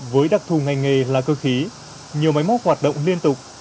với đặc thù ngành nghề là cơ khí nhiều máy móc hoạt động liên tục